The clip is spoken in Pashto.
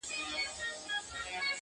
امر دی د پاک یزدان ګوره چي لا څه کیږي-